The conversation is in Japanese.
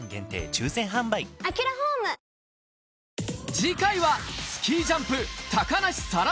次回はスキージャンプ梨沙羅